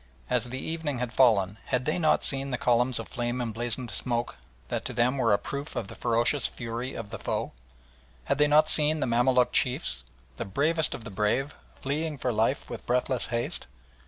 As the evening had fallen had they not seen the columns of flame emblazoned smoke that to them were a proof of the ferocious fury of the foe? Had they not seen the Mamaluk Chiefs, the bravest of the brave, fleeing for life with breathless haste?